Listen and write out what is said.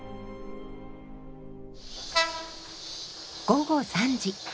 午後３時。